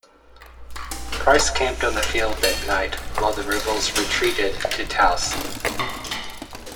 Price camped on the field that night while the rebels retreated to Taos.